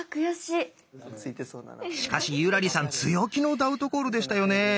しかし優良梨さん強気のダウトコールでしたよね。